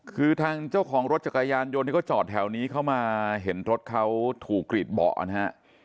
คือทางเจ้าของรถจักรยานยนต์ที่เขาจอดแถวนี้เขามาเห็นรถเขาถูกกรีดเบาะนะฮะ